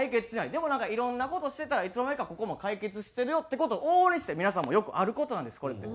でもなんかいろんな事してたらいつの間にかここも解決してるよって事往々にして皆さんもよくある事なんですこれって。